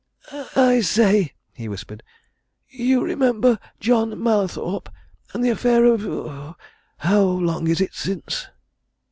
"I say!" he whispered. "You remember John Mallathorpe and the affair of how long is it since?"